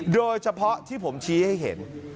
โดยเฉพาะที่ผมชี้ให้เห็น